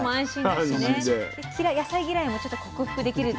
で野菜嫌いもちょっと克服できる。